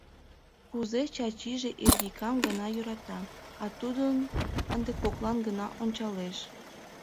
Кузе Чачиже Эрвикам гына йӧрата, а тудым ынде коклан гына ончалеш.